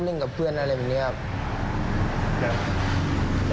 ส่วนความคืบหน้าทางคดีนะคะ